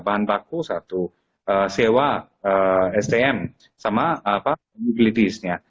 bahan baku satu sewa sdm sama mobilitisnya